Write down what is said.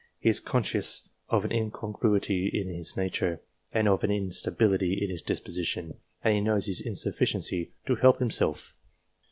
He is conscious of an incongruity in his nature, and of an instability in his disposition, and he knows his insufficiency to help himself.